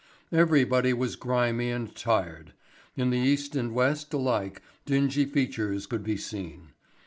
Everybody was grimy and tired; in the East and West alike dingy features could be seen.